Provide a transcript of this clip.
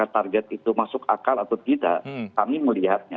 target itu masuk akal atau tidak kami melihatnya